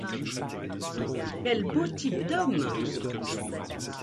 Quel beau type d’homme !